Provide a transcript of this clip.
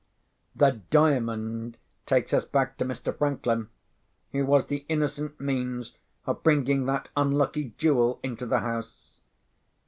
The Diamond takes us back to Mr. Franklin, who was the innocent means of bringing that unlucky jewel into the house.